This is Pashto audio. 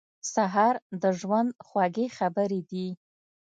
سهار د ژوند خوږې خبرې دي.